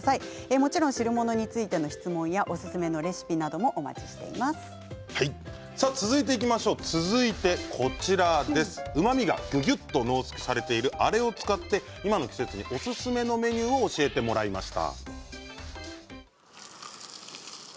もちろん汁物についての質問やおすすめのレシピなども続いてうまみがぎゅぎゅっと濃縮されているあれを使って今の季節おすすめのメニューを教えていただきました。